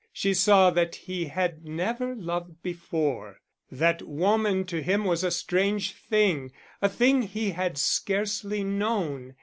She saw that he had never loved before, that woman to him was a strange thing, a thing he had scarcely known.